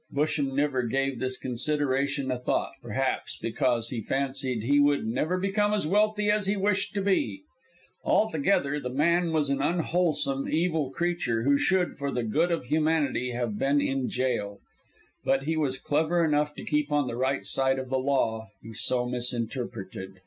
Busham never gave this consideration a thought, perhaps because he fancied he would never become as wealthy as he wished to be. Altogether the man was an unwholesome, evil creature, who should, for the good of humanity, have been in gaol. But he was clever enough to keep on the right side of the law he so misinterpreted.